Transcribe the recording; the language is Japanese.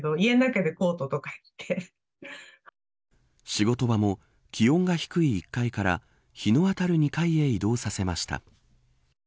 仕事場も気温が低い１階から日の当たる２階に移動させました。